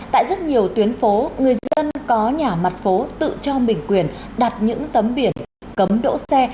tại rất nhiều tuyến phố người dân có nhà mặt phố tự cho mình quyền đặt những tấm biển cấm đỗ xe